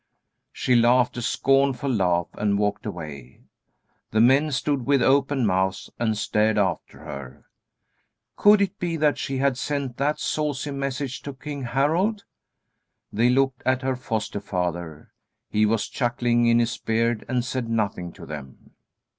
She laughed a scornful laugh and walked away. The men stood with open mouths and stared after her. Could it be that she had sent that saucy message to King Harald? They looked at her foster father. He was chuckling in his beard and said nothing to them.